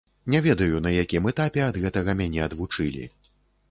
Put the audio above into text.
Не ведаю, на якім этапе ад гэтага мяне адвучылі.